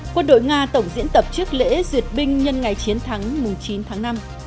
quân đội nga tổng diễn tập trước lễ duyệt binh nhân ngày chiến thắng chín tháng năm